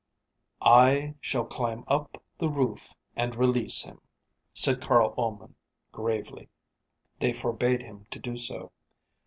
"I shall climb up the roof and release him," said Carl Ullman, gravely. They forbade him to do so.